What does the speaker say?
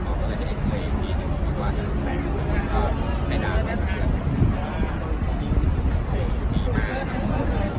ก็เลยได้แอบเคยอีกชีวิตหนึ่งดีกว่าแล้วให้ตามว่าก็มีมาก